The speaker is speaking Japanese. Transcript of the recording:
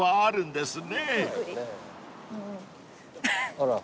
あら。